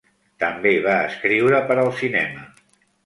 També va escriure per al cinema.